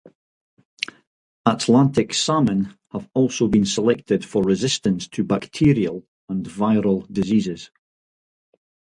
Atlantic salmon have also been selected for resistance to bacterial and viral diseases.